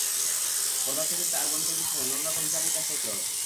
পদার্থবিদ্যা আর গণিতের মিশেলে নানা রকম হিসাব-নিকাশ করতে হয়।